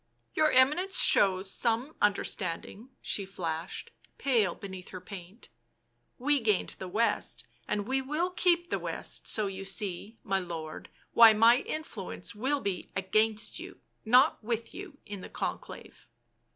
" Your Eminence shows some understanding," she flashed, pale beneath her paint ; "we gained the West, and we will keep the West, so you see, my lord, why my influence will be against you, not with you, in the Conclave."